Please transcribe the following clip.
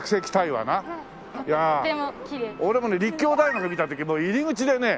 俺もね立教大学見た時もう入り口でね。